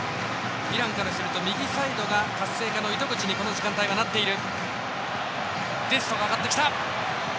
イランからすると右サイドが活性化の糸口にこの時間帯はなっている。